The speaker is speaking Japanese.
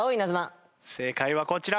正解はこちら。